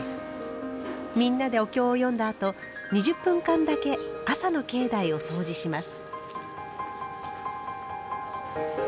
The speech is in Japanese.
みんなでお経を読んだあと２０分間だけ朝の境内をそうじします。